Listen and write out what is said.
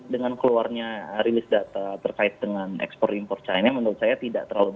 dengan keluarnya rilis data terkait dengan ekspor impor china menurut saya tidak terlalu